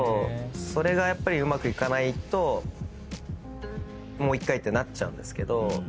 それがうまくいかないともう１回ってなっちゃうんですけど。